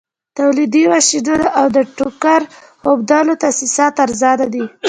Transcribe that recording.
تولیدي ماشینونه او د ټوکر اوبدلو تاسیسات ارزانه دي